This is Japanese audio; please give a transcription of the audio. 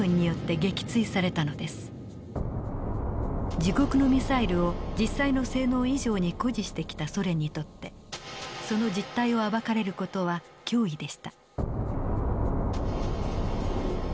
自国のミサイルを実際の性能以上に誇示してきたソ連にとってその実態を暴かれる事は脅威でした。